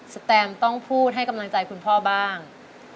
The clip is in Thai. แตมต้องพูดให้กำลังใจคุณพ่อบ้าง